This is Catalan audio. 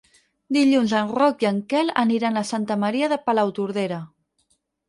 Dilluns en Roc i en Quel aniran a Santa Maria de Palautordera.